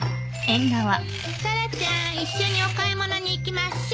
タラちゃん一緒にお買い物に行きましょ。